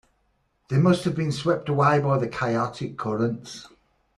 They must have been swept away by the chaotic currents.